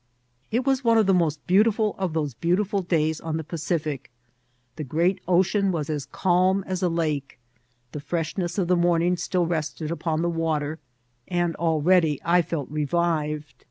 It was one of the most beautiful of those beautiftd days on the Pacific. The great ocean was as calm as a lake ; the freshness of the morning still rested u^n the water, and already I felt revived.